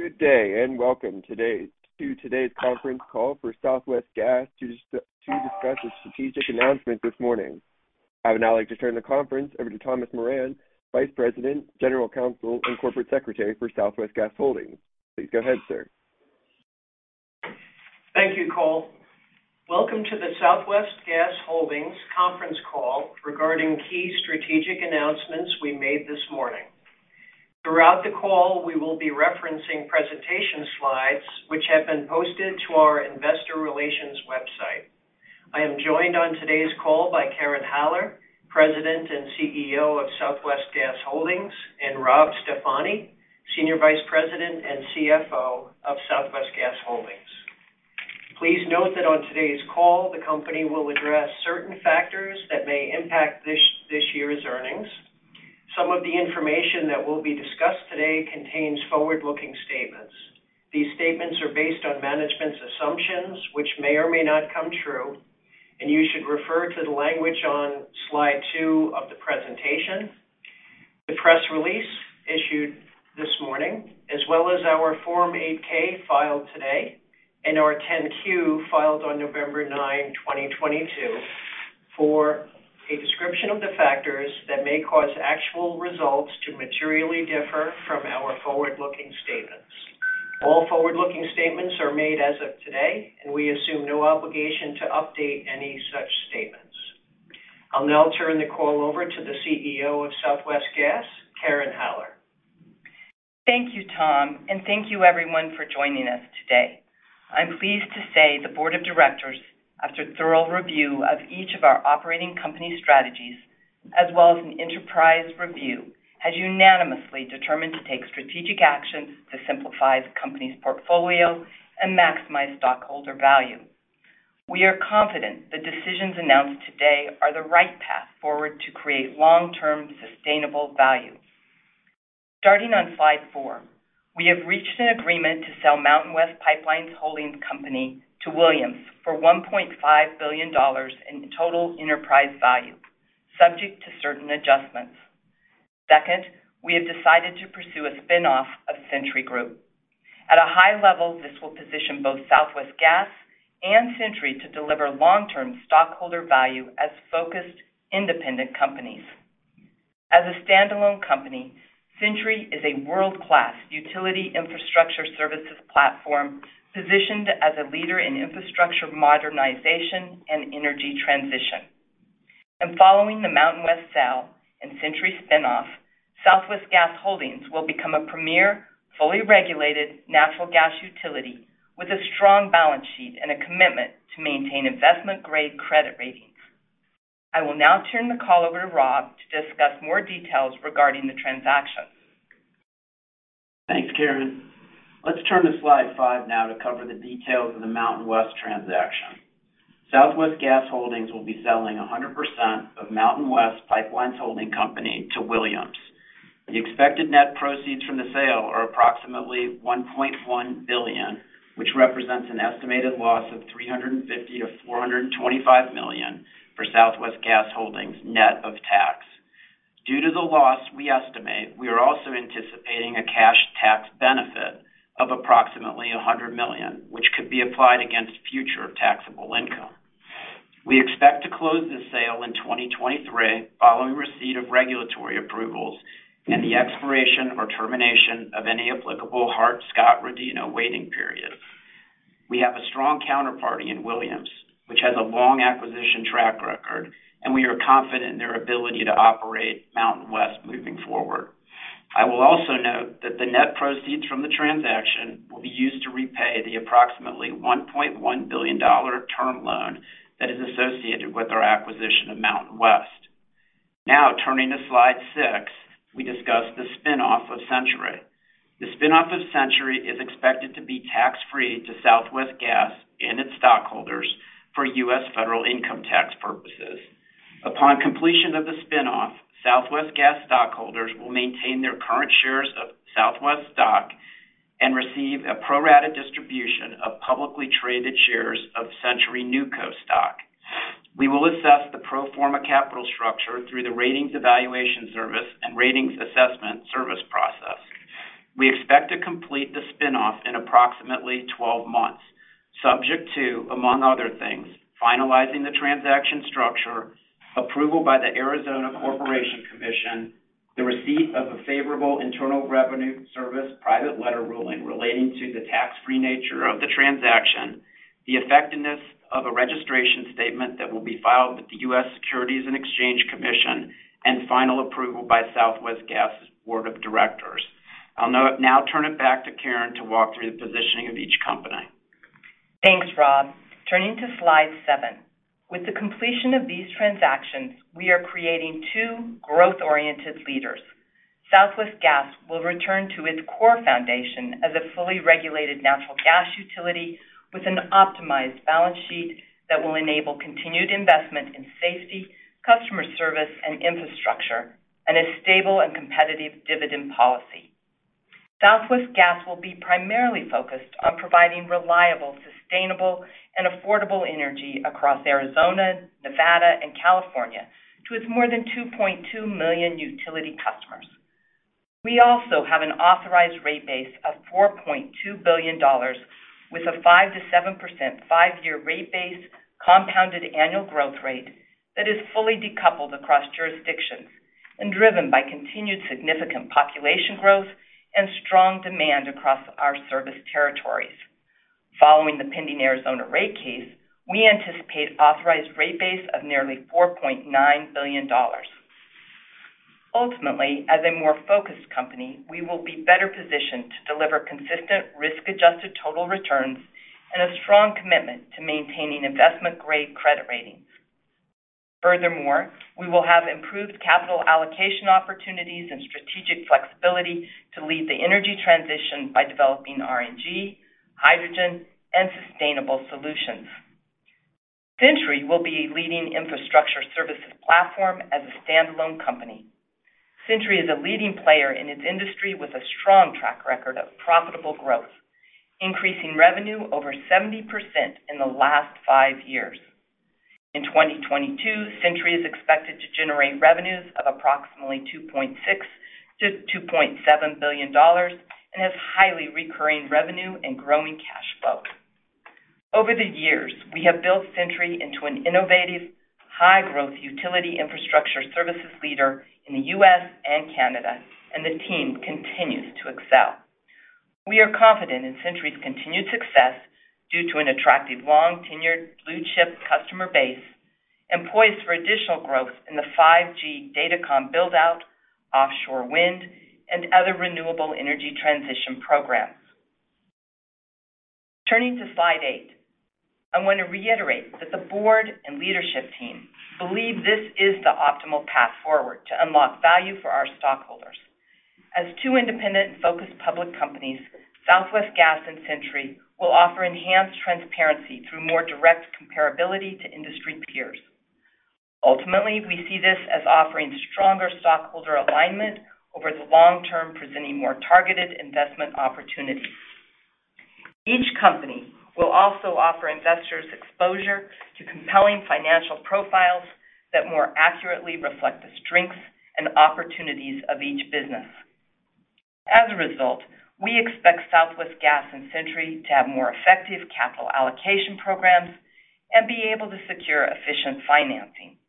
Good day. Welcome to today's conference call for Southwest Gas to discuss a strategic announcement this morning. I would now like to turn the conference over to Thomas Moran, Vice President, General Counsel, and Corporate Secretary for Southwest Gas Holdings. Please go ahead, sir. Thank you, Cole. Welcome to the Southwest Gas Holdings conference call regarding key strategic announcements we made this morning. Throughout the call, we will be referencing presentation slides which have been posted to our investor relations website. I am joined on today's call by Karen Haller, President and CEO of Southwest Gas Holdings, and Rob Stefani, Senior Vice President and CFO of Southwest Gas Holdings. Please note that on today's call, the company will address certain factors that may impact this year's earnings. Some of the information that will be discussed today contains forward-looking statements. These statements are based on management's assumptions, which may or may not come true, and you should refer to the language on slide two of the presentation, the press release issued this morning, as well as our Form 8-K filed today and our 10-Q filed on November 9, 2022 for a description of the factors that may cause actual results to materially differ from our forward-looking statements. All forward-looking statements are made as of today, and we assume no obligation to update any such statements. I'll now turn the call over to the CEO of Southwest Gas, Karen Haller. Thank you, Tom. Thank you everyone for joining us today. I'm pleased to say the board of directors, after thorough review of each of our operating company strategies, as well as an enterprise review, has unanimously determined to take strategic actions to simplify the company's portfolio and maximize stockholder value. We are confident the decisions announced today are the right path forward to create long-term sustainable value. Starting on slide four, we have reached an agreement to sell MountainWest Pipelines Holding Company to Williams for $1.5 billion in total enterprise value, subject to certain adjustments. Second, we have decided to pursue a spin-off of Centuri Group. At a high level, this will position both Southwest Gas and Centuri to deliver long-term stockholder value as focused independent companies. As a standalone company, Centuri is a world-class utility infrastructure services platform positioned as a leader in infrastructure modernization and energy transition. Following the MountainWest sale and Centuri spin-off, Southwest Gas Holdings will become a premier, fully regulated natural gas utility with a strong balance sheet and a commitment to maintain investment-grade credit ratings. I will now turn the call over to Rob to discuss more details regarding the transactions. Thanks, Karen. Let's turn to slide five now to cover the details of the MountainWest transaction. Southwest Gas Holdings will be selling 100% of MountainWest Pipelines Holding Company to Williams. The expected net proceeds from the sale are approximately $1.1 billion, which represents an estimated loss of $350 million-$425 million for Southwest Gas Holdings net of tax. Due to the loss we estimate, we are also anticipating a cash tax benefit of approximately $100 million, which could be applied against future taxable income. We expect to close this sale in 2023 following receipt of regulatory approvals and the expiration or termination of any applicable Hart-Scott-Rodino waiting period. We have a strong counterparty in Williams, which has a long acquisition track record. We are confident in their ability to operate MountainWest moving forward. I will also note that the net proceeds from the transaction will be used to repay the approximately $1.1 billion term loan that is associated with our acquisition of MountainWest. Turning to slide six, we discuss the spin-off of Centuri. The spin-off of Centuri is expected to be tax-free to Southwest Gas and its stockholders for U.S. federal income tax purposes. Upon completion of the spin-off, Southwest Gas stockholders will maintain their current shares of Southwest stock and receive a pro rata distribution of publicly traded shares of Centuri NewCo stock. We will assess the pro forma capital structure through the Ratings Evaluation Service and Ratings Assessment Service process. We expect to complete the spin-off in approximately 12 months, subject to, among other things, finalizing the transaction structure, approval by the Arizona Corporation Commission, the receipt of a favorable Internal Revenue Service private letter ruling relating to the tax-free nature of the transaction, the effectiveness of a registration statement that will be filed with the U.S. Securities and Exchange Commission, and final approval by Southwest Gas's board of directors. I'll now turn it back to Karen to walk through the positioning of each company. Thanks, Rob. Turning to slide seven. With the completion of these transactions, we are creating two growth-oriented leaders. Southwest Gas will return to its core foundation as a fully regulated natural gas utility with an optimized balance sheet that will enable continued investment in safety, customer service, and infrastructure, and a stable and competitive dividend policy. Southwest Gas will be primarily focused on providing reliable, sustainable, and affordable energy across Arizona, Nevada, and California. To its more than 2.2 million utility customers. We also have an authorized rate base of $4.2 billion with a 5%-7% five-year rate base compounded annual growth rate that is fully decoupled across jurisdictions and driven by continued significant population growth and strong demand across our service territories. Following the pending Arizona rate case, we anticipate authorized rate base of nearly $4.9 billion. Ultimately, as a more focused company, we will be better positioned to deliver consistent risk-adjusted total returns and a strong commitment to maintaining investment-grade credit ratings. Furthermore, we will have improved capital allocation opportunities and strategic flexibility to lead the energy transition by developing RNG, hydrogen, and sustainable solutions. Centuri will be a leading infrastructure services platform as a standalone company. Centuri is a leading player in its industry with a strong track record of profitable growth, increasing revenue over 70% in the last five years. In 2022, Centuri is expected to generate revenues of approximately $2.6 billion-$2.7 billion and has highly recurring revenue and growing cash flow. Over the years, we have built Centuri into an innovative, high-growth utility infrastructure services leader in the U.S. and Canada, and the team continues to excel. We are confident in Centuri's continued success due to an attractive, long-tenured blue-chip customer base and poised for additional growth in the 5G Datacom build-out, offshore wind, and other renewable energy transition programs. Turning to slide eight. I want to reiterate that the board and leadership team believe this is the optimal path forward to unlock value for our stockholders. As two independent and focused public companies, Southwest Gas and Centuri will offer enhanced transparency through more direct comparability to industry peers. Ultimately, we see this as offering stronger stockholder alignment over the long term, presenting more targeted investment opportunities. Each company will also offer investors exposure to compelling financial profiles that more accurately reflect the strengths and opportunities of each business. As a result, we expect Southwest Gas and Centuri to have more effective capital allocation programs and be able to secure efficient financing.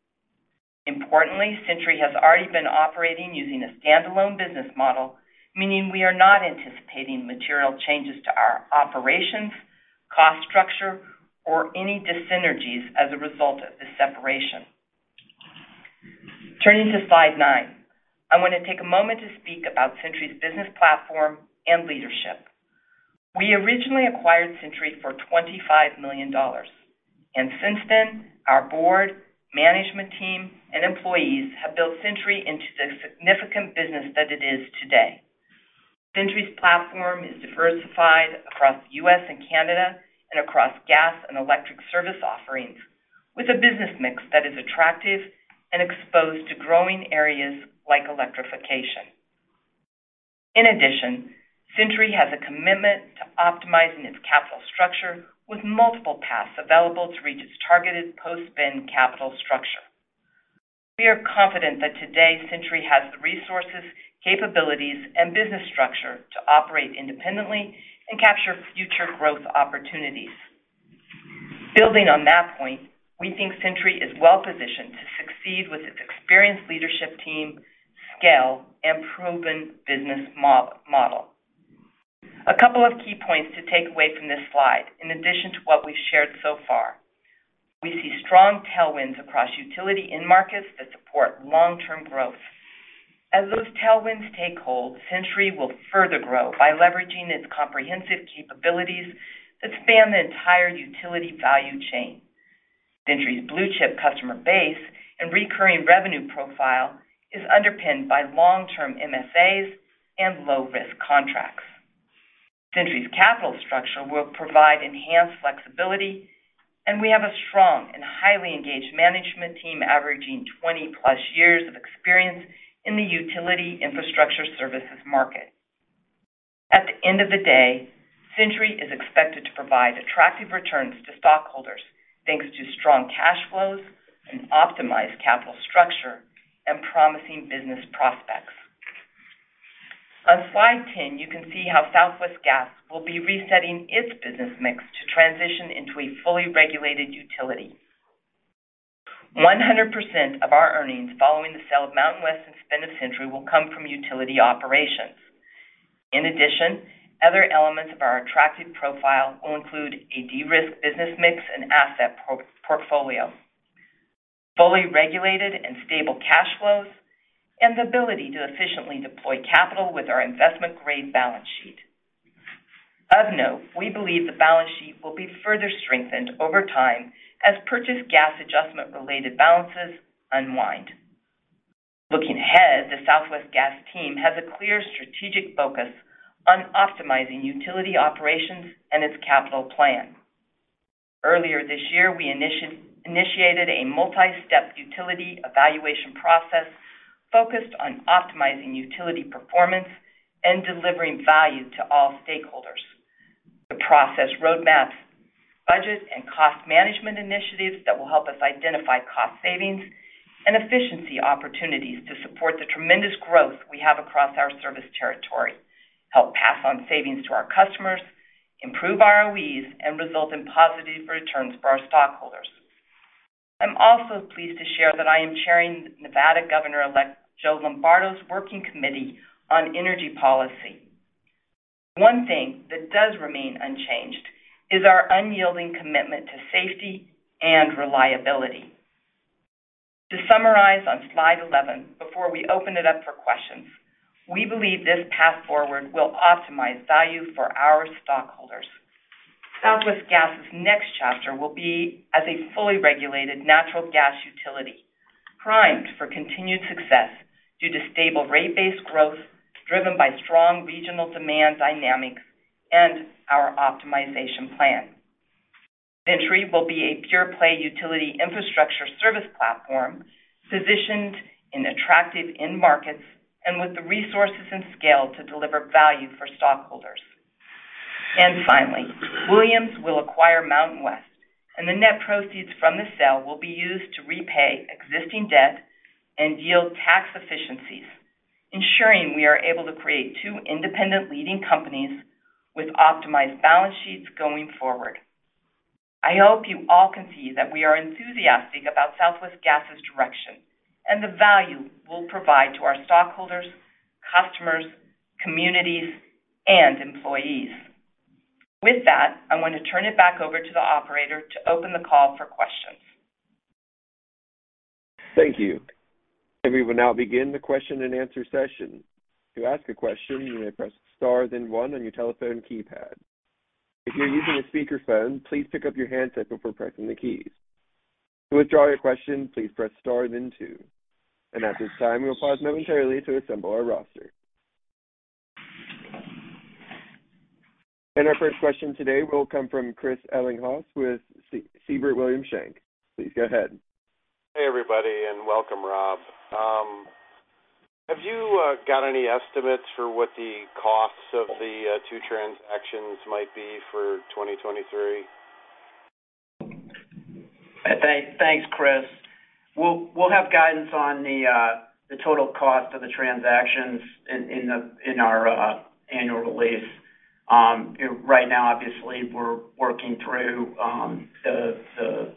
Importantly, Centuri has already been operating using a standalone business model, meaning we are not anticipating material changes to our operations, cost structure, or any dyssynergies as a result of this separation. Turning to slide nine. I want to take a moment to speak about Centuri's business platform and leadership. We originally acquired Centuri for $25 million. Since then, our board, management team, and employees have built Centuri into the significant business that it is today. Centuri's platform is diversified across U.S. and Canada and across gas and electric service offerings with a business mix that is attractive and exposed to growing areas like electrification. In addition, Centuri has a commitment to optimizing its capital structure with multiple paths available to reach its targeted post-spin capital structure. We are confident that today Centuri has the resources, capabilities, and business structure to operate independently and capture future growth opportunities. Building on that point, we think Centuri is well-positioned to succeed with its experienced leadership team, scale, and proven business model. A couple of key points to take away from this slide, in addition to what we've shared so far. We see strong tailwinds across utility end markets that support long-term growth. As those tailwinds take hold, Centuri will further grow by leveraging its comprehensive capabilities that span the entire utility value chain. Centuri's blue-chip customer base and recurring revenue profile is underpinned by long-term MSAs and low-risk contracts. Centuri's capital structure will provide enhanced flexibility, and we have a strong and highly engaged management team averaging 20+ years of experience in the utility infrastructure services market. At the end of the day, Centuri is expected to provide attractive returns to stockholders, thanks to strong cash flows, an optimized capital structure, and promising business prospects. On slide 10, you can see how Southwest Gas will be resetting its business mix to transition into a fully regulated utility. 100% of our earnings following the sale of MountainWest and spin of Centuri will come from utility operations. Other elements of our attractive profile will include a de-risked business mix and asset portfolio, fully regulated and stable cash flows, and the ability to efficiently deploy capital with our investment-grade balance sheet. Of note, we believe the balance sheet will be further strengthened over time as purchased gas adjustment-related balances unwind. Looking ahead, the Southwest Gas team has a clear strategic focus on optimizing utility operations and its capital plan. Earlier this year, we initiated a multi-step utility evaluation process focused on optimizing utility performance and delivering value to all stakeholders. The process roadmaps budget and cost management initiatives that will help us identify cost savings and efficiency opportunities to support the tremendous growth we have across our service territory, help pass on savings to our customers, improve ROEs, and result in positive returns for our stockholders. I'm also pleased to share that I am chairing Nevada Governor-elect Joe Lombardo's Working Committee on Energy Policy. One thing that does remain unchanged is our unyielding commitment to safety and reliability. To summarize on slide 11 before we open it up for questions, we believe this path forward will optimize value for our stockholders. Southwest Gas's next chapter will be as a fully regulated natural gas utility, primed for continued success due to stable rate-based growth, driven by strong regional demand dynamics and our optimization plan. Centuri will be a pure-play utility infrastructure service platform positioned in attractive end markets and with the resources and scale to deliver value for stockholders. Finally, Williams will acquire MountainWest, and the net proceeds from the sale will be used to repay existing debt and yield tax efficiencies, ensuring we are able to create two independent leading companies with optimized balance sheets going forward. I hope you all can see that we are enthusiastic about Southwest Gas's direction and the value we'll provide to our stockholders, customers, communities, and employees. With that, I want to turn it back over to the operator to open the call for questions. Thank you. We will now begin the question-and-answer session. To ask a question, you may press star then one on your telephone keypad. If you're using a speakerphone, please pick up your handset before pressing the keys. To withdraw your question, please press star then two. At this time, we'll pause momentarily to assemble our roster. Our first question today will come from Chris Ellinghaus with Siebert Williams Shank. Please go ahead. Hey, everybody, and welcome, Rob. Have you got any estimates for what the costs of the two transactions might be for 2023? Thanks, Chris. We'll have guidance on the total cost of the transactions in the, in our annual release. Right now, obviously, we're working through the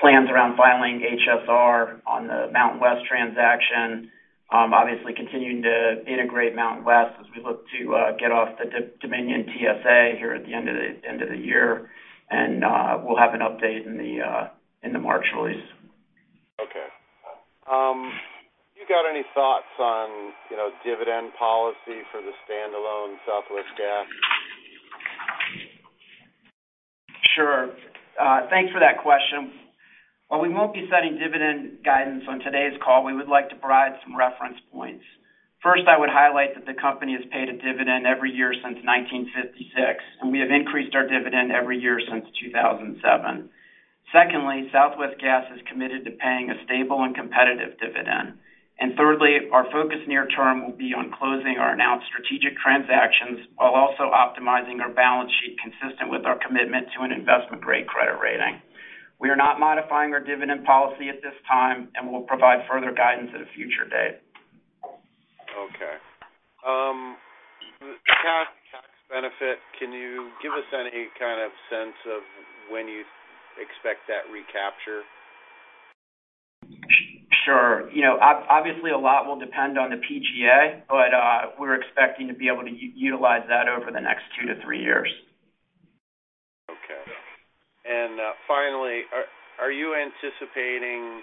plans around filing HSR on the MountainWest transaction, obviously continuing to integrate MountainWest as we look to get off the Dominion TSA here at the end of the end of the year. We'll have an update in the March release. Okay. You got any thoughts on, you know, dividend policy for the standalone Southwest Gas? Sure. Thanks for that question. While we won't be setting dividend guidance on today's call, we would like to provide some reference points. First, I would highlight that the company has paid a dividend every year since 1956, and we have increased our dividend every year since 2007. Secondly, Southwest Gas is committed to paying a stable and competitive dividend. Thirdly, our focus near term will be on closing our announced strategic transactions while also optimizing our balance sheet consistent with our commitment to an investment-grade credit rating. We are not modifying our dividend policy at this time, and we'll provide further guidance at a future date. Okay. the tax benefit, can you give us any kind of sense of when you expect that recapture? Sure. You know, obviously, a lot will depend on the PGA, but we're expecting to be able to utilize that over the next two to three years. Okay. finally, are you anticipating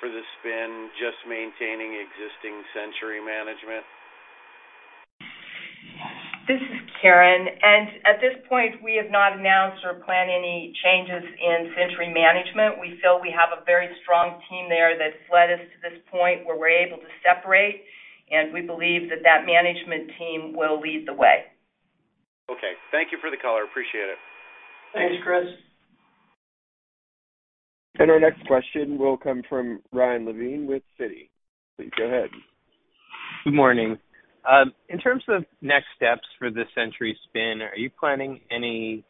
for the spin, just maintaining existing Centuri management? This is Karen. At this point, we have not announced or planned any changes in Centuri management. We feel we have a very strong team there that's led us to this point where we're able to separate. We believe that that management team will lead the way. Okay. Thank you for the call. I appreciate it. Thanks, Chris. Our next question will come from Ryan Levine with Citi. Please go ahead. Good morning. In terms of next steps for the Centuri spin, are you planning any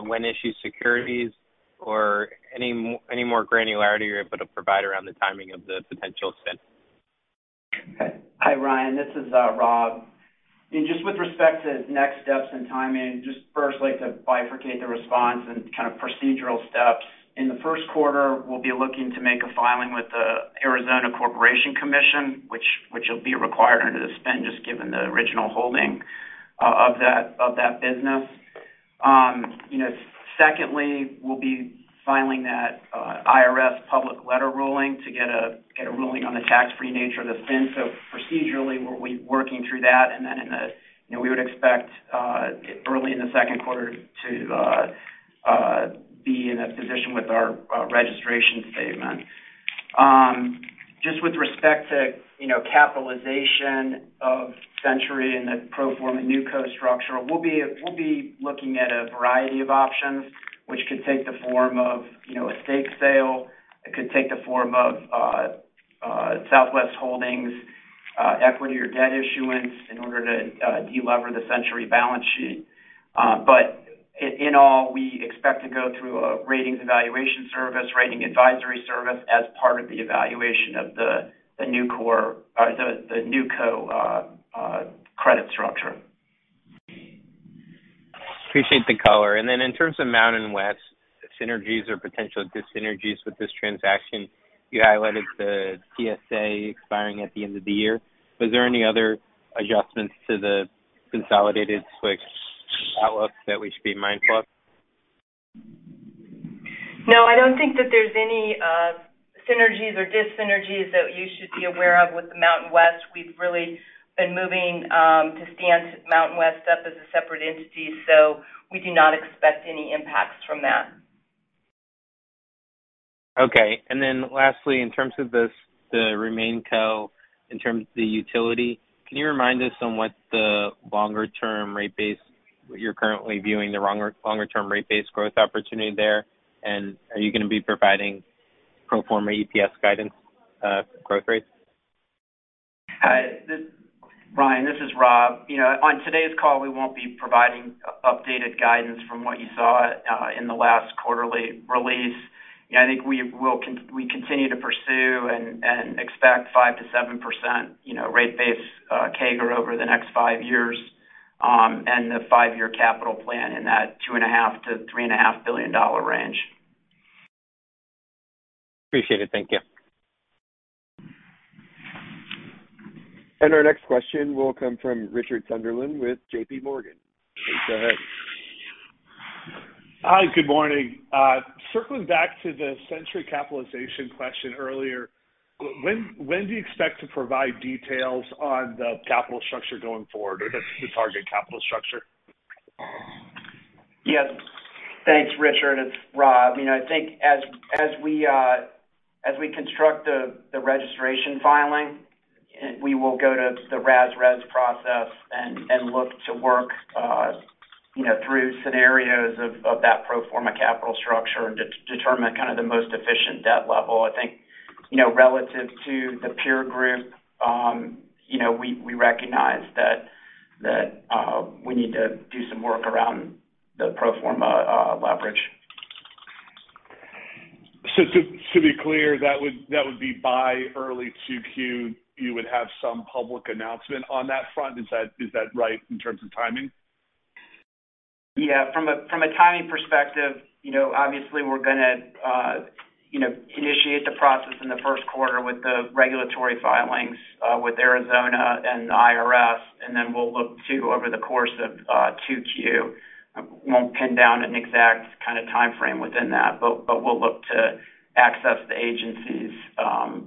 when-issued securities or any more granularity you're able to provide around the timing of the potential spin? Hi, Ryan. This is Rob. Just with respect to next steps and timing, just first like to bifurcate the response in kind of procedural steps. In the first quarter, we'll be looking to make a filing with the Arizona Corporation Commission, which will be required under the spin just given the original holding of that business. You know, secondly, we'll be filing that IRS public letter ruling to get a ruling on the tax-free nature of the spin. Procedurally, we'll be working through that. You know, we would expect early in the second quarter to be in a position with our registration statement. Just with respect to, you know, capitalization of Centuri in the pro forma new co-structure, we'll be looking at a variety of options, which could take the form of, you know, a stake sale. It could take the form of Southwest Gas Holdings equity or debt issuance in order to de-lever the Centuri balance sheet. In all, we expect to go through a Ratings Evaluation Service, Ratings Assessment Service as part of the evaluation of the new co-credit structure. Appreciate the color. In terms of MountainWest synergies or potential dis-synergies with this transaction, you highlighted the TSA expiring at the end of the year. Was there any other adjustments to the consolidated SWX outlook that we should be mindful of? No, I don't think that there's any synergies or dis-synergies that you should be aware of with the MountainWest. We've really been moving to stand MountainWest up as a separate entity. We do not expect any impacts from that. Okay. Lastly, in terms of this, the remain co in terms of the utility, can you remind us on what the longer term rate base you're currently viewing the longer term rate base growth opportunity there? Are you gonna be providing pro forma EPS guidance growth rates? Hi, Ryan, this is Rob. You know, on today's call, we won't be providing updated guidance from what you saw in the last quarterly release. You know, I think we continue to pursue and expect 5%-7%, you know, rate base CAGR over the next five years, and the five-year capital plan in that $2.5 billion-$3.5 billion range. Appreciate it. Thank you. Our next question will come from Richard Sunderland with JPMorgan. Please go ahead. Hi, good morning. Circling back to the Centuri capitalization question earlier, when do you expect to provide details on the capital structure going forward or the target capital structure? Yes. Thanks, Richard. It's Rob. You know, I think as we construct the registration filing, we will go to the RES RAS process and look to work, you know, through scenarios of that pro forma capital structure and determine kind of the most efficient debt level. I think, you know, relative to the peer group, we recognize that we need to do some work around the pro forma leverage. To be clear, that would be by early 2Q, you would have some public announcement on that front. Is that, is that right in terms of timing? Yeah. From a timing perspective, you know, obviously we're gonna, you know, initiate the process in the first quarter with the regulatory filings with Arizona and the IRS. We'll look to over the course of 2Q. Won't pin down an exact kind of timeframe within that, but we'll look to access the agencies,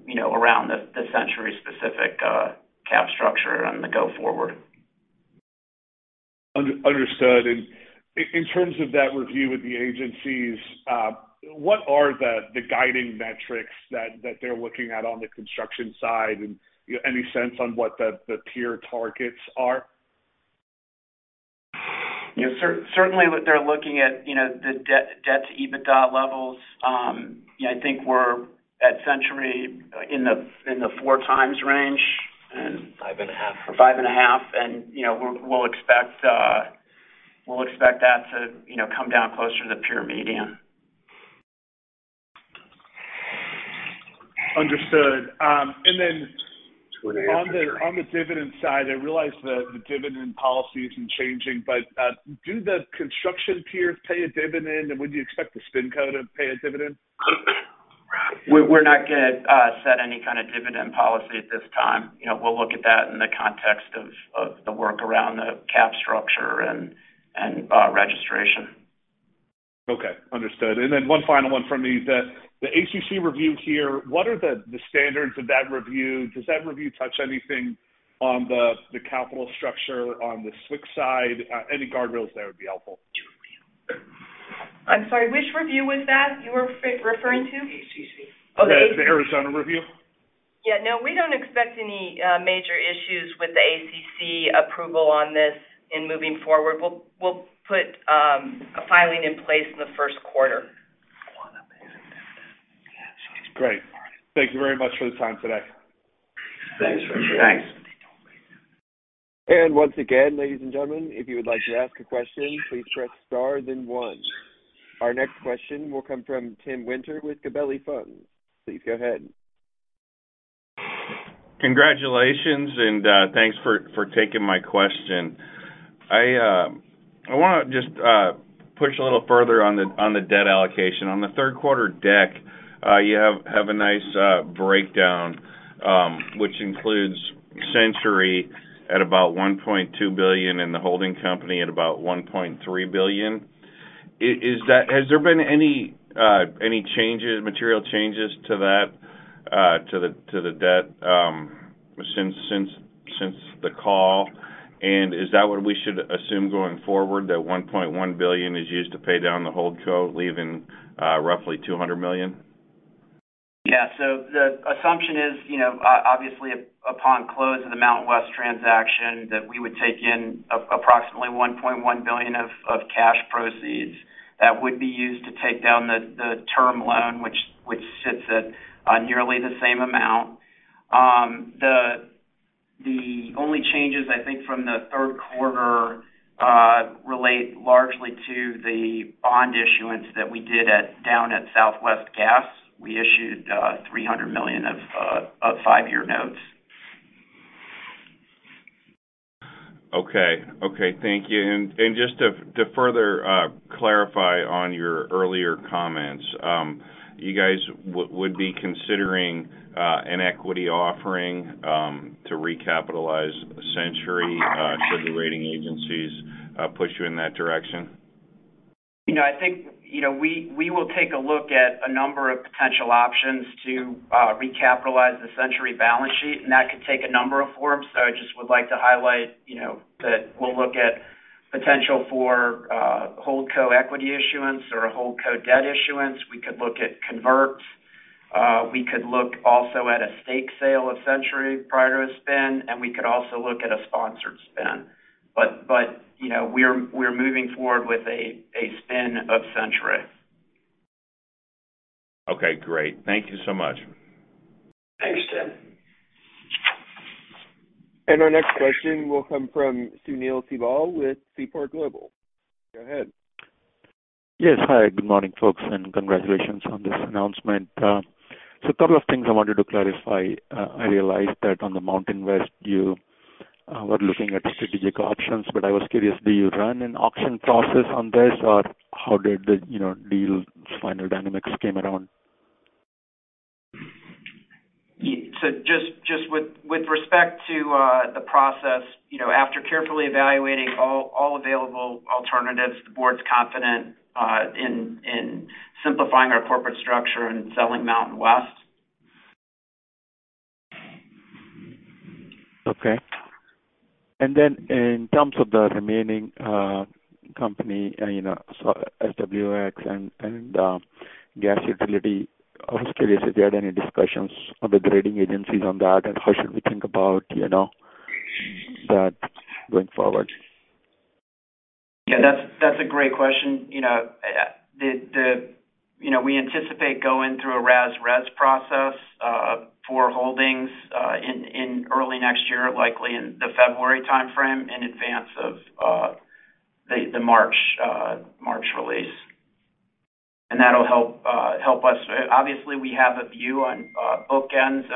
you know, around the Centuri specific cap structure on the go forward. Understood. In terms of that review with the agencies, what are the guiding metrics that they're looking at on the construction side? You know, any sense on what the peer targets are? You know, certainly they're looking at, you know, the debt to EBITDA levels. You know, I think we're at Centuri in the 4x range. Five and a half. 5.5. You know, we'll expect that to, you know, come down closer to the peer median. Understood. On the dividend side, I realize the dividend policy isn't changing, but do the construction peers pay a dividend and would you expect the SpinCo to pay a dividend? We're not gonna set any kind of dividend policy at this time. You know, we'll look at that in the context of the work around the cap structure and registration. Okay, understood. Then one final one from me. The ACC review here, what are the standards of that review? Does that review touch anything on the capital structure on the SWX side? Any guardrails there would be helpful. I'm sorry, which review was that you were re-referring to? ACC. Oh. The Arizona review. Yeah, no, we don't expect any major issues with the ACC approval on this in moving forward. We'll put a filing in place in the first quarter. Great. Thank you very much for the time today. Thanks, Richard. Thanks. Once again, ladies and gentlemen, if you would like to ask a question, please press star one. Our next question will come from Tim Winter with Gabelli Funds. Please go ahead. Congratulations, thanks for taking my question. I wanna just push a little further on the debt allocation. On the third quarter deck, you have a nice breakdown, which includes Centuri at about $1.2 billion and the holding company at about $1.3 billion. Has there been any changes, material changes to that, to the debt since the call? Is that what we should assume going forward, that $1.1 billion is used to pay down the hold co, leaving roughly $200 million? Yeah. The assumption is, you know, obviously upon close of the MountainWest transaction, that we would take in approximately $1.1 billion of cash proceeds that would be used to take down the term loan, which sits at nearly the same amount. The only changes, I think, from the third quarter, relate largely to the bond issuance that we did down at Southwest Gas. We issued $300 million of five-year notes. Okay. Okay, thank you. Just to further clarify on your earlier comments, you guys would be considering an equity offering to recapitalize Centuri, should the rating agencies push you in that direction? You know, I think, you know, we will take a look at a number of potential options to recapitalize the Centuri balance sheet, and that could take a number of forms. I just would like to highlight, you know, that we'll look at potential for hold co-equity issuance or a hold co-debt issuance. We could look at converts. We could look also at a stake sale of Centuri prior to a spin, and we could also look at a sponsored spin. You know, we're moving forward with a spin of Centuri. Okay, great. Thank you so much. Thanks, Tim. Our next question will come from Sunil Sibal with Seaport Global. Go ahead. Yes. Hi, good morning, folks. Congratulations on this announcement. A couple of things I wanted to clarify. I realized that on the MountainWest, you were looking at strategic options, but I was curious, do you run an auction process on this, or how did the, you know, deal's final dynamics came around? Just with respect to the process, you know, after carefully evaluating all available alternatives, the board's confident in simplifying our corporate structure and in selling MountainWest. In terms of the remaining company, you know, SWX and gas utility, I was curious if there are any discussions with the rating agencies on that. How should we think about, you know, that going forward? Yeah, that's a great question. You know, we anticipate going through a RAS-RES process for Holdings in early next year, likely in the February timeframe, in advance of the March release. That'll help us. Obviously, we have a view on both ends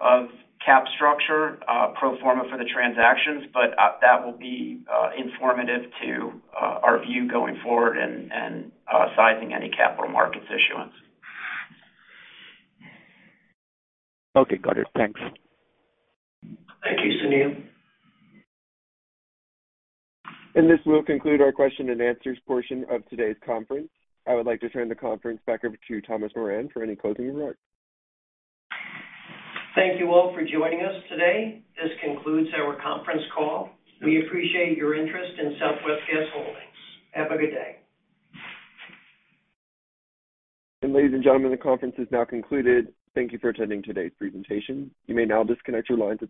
of cap structure pro forma for the transactions, but that will be informative to our view going forward and sizing any capital markets issuance. Okay, got it. Thanks. Thank you, Sunil. This will conclude our question and answers portion of today's conference. I would like to turn the conference back over to Thomas Moran for any closing remarks. Thank you all for joining us today. This concludes our conference call. We appreciate your interest in Southwest Gas Holdings. Have a good day. Ladies and gentlemen, the conference is now concluded. Thank you for attending today's presentation. You may now disconnect your lines.